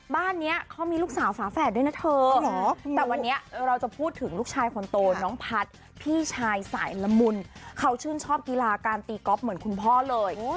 บ้านนี้เขามีลูกสาวฝาแฝดด้วยนะเธอแต่วันนี้เราจะพูดถึงลูกชายคนโตน้องพัฒน์พี่ชายสายละมุนเขาชื่นชอบกีฬาการตีก๊อฟเหมือนคุณพ่อเลย